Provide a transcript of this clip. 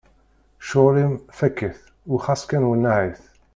Cɣel-im fak-it u xas kan wenneɛ-it!